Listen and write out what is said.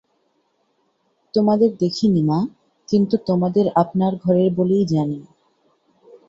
তোমাদের দেখি নি, মা, কিন্তু তোমাদের আপনার ঘরের বলেই জানি।